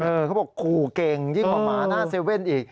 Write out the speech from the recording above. เออเขาบอกขู่เก่งยิ่งบอกหมาหน้าเซเว่นอีก